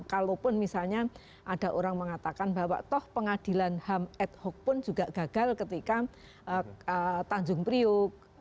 kalaupun misalnya ada orang mengatakan bahwa toh pengadilan ham ad hoc pun juga gagal ketika tanjung priuk